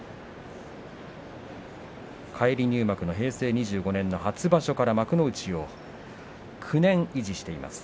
返り入幕の平成２５年の初場所から幕内を９年維持しています。